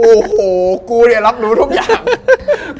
โอ้โหกูเนี่ยรับรู้ทุกอย่าง